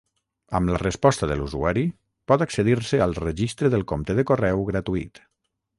Amb la resposta de l'usuari, pot accedir-se al registre del compte de correu gratuït.